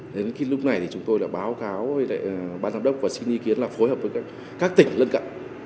đến lúc này chúng tôi đã báo cáo với bàn giám đốc và xin ý kiến là phối hợp với các tỉnh lân cận